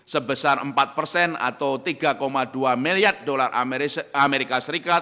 sebesar empat persen atau tiga dua miliar dolar amerika serikat